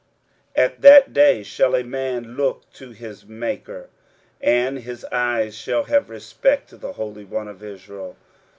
23:017:007 At that day shall a man look to his Maker, and his eyes shall have respect to the Holy One of Israel.